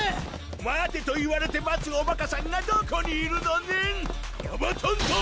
待てと言われて待つおバカさんがどこにいるのねんカバトントン！